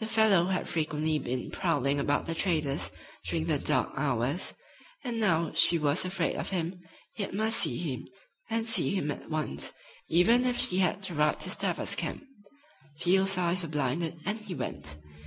The fellow had frequently been prowling about the trader's during the dark hours, and now she was afraid of him, yet must see him, and see him at once, even if she had to ride to Stabber's camp. Field's eyes were blinded and he went.